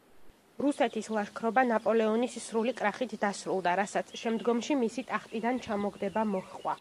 რუსეთის ლაშქრობა ნაპოლეონის სრული კრახით დასრულდა, რასაც შემდგომში მისი ტახტიდან ჩამოგდება მოჰყვა.